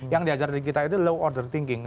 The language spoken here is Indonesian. yang diajarin kita itu low order thinking